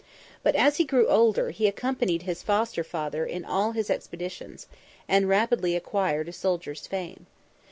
But, as he grew older, he accompanied his foster father in all his expeditions, and rapidly acquired a soldier's fame.